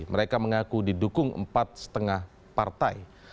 mereka mengaku didukung empat lima partai